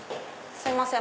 すいません。